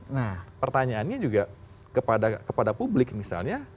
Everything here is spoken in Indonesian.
nah pertanyaannya juga kepada publik misalnya